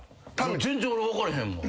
全然俺分からへんもん。